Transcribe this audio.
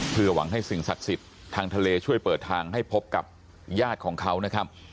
เพื่อหวังให้สิ่งศักดิ์สิทธิ์ทางทะเลช่วยเปิดทางให้พบกับญาติของเขานะครับ